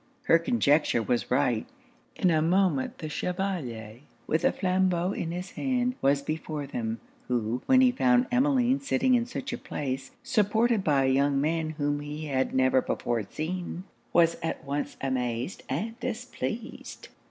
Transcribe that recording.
Her conjecture was right. In a moment the Chevalier, with a flambeau in his hand, was before them; who, when he found Emmeline sitting in such a place, supported by a young man whom he had never before seen, was at once amazed and displeased.